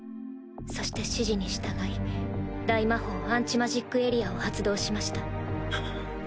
そして指示に従い大魔法アンチマジックエリアを発動しました。